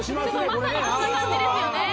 まさにこんな感じですよね